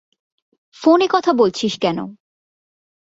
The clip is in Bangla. ফোনে কথা বলছিস কেন?